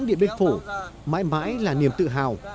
hà nội điện biên phủ mãi mãi là niềm tự hào